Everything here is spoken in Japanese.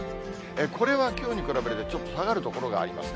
これはきょうに比べてちょっと下がる所がありますね。